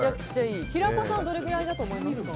平子さんどれくらいだと思いますか？